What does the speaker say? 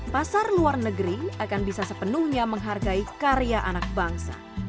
pasar luar negeri akan bisa sepenuhnya menghargai karya anak bangsa